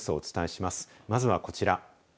まずは、こちら。